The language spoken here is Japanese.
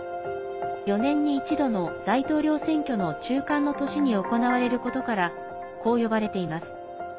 ４年に１度の大統領選挙の中間の年に行われることからこう呼ばれています。